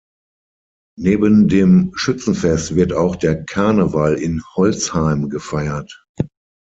Neben dem Schützenfest wird auch der Karneval in Holzheim gefeiert.